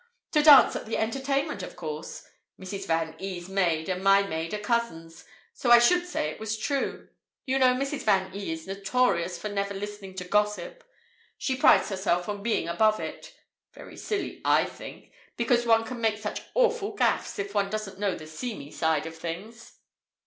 "To dance at the entertainment, of course. Mrs. Van E.'s maid and my maid are cousins. So I should say it was true. You know Mrs. Van E. is notorious for never listening to gossip. She prides herself on 'being above it'. Very silly, I think. Because one can make such awful 'gaffs' if one doesn't know the seamy side of things."